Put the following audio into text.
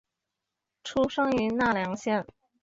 出身于奈良县。